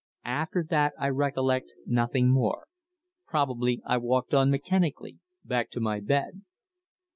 After that I recollect nothing more. Probably I walked on mechanically back to my bed.